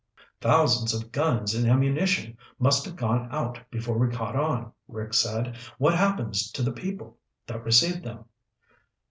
"Thousands of guns and ammunition must have gone out before we caught on," Rick said. "What happens to the people that received them?"